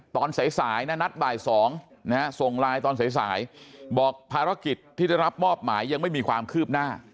ตอนสายนะนัดบ่าย๒นะฮะส่งไลน์ตอนสายบอกภารกิจที่ได้รับมอบหมายยังไม่มีความคืบหน้า